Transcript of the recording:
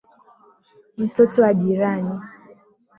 Mtoto wa jirani.